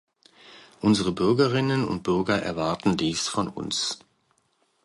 Unsere Bürgerinnen und Bürger erwarten dies von uns.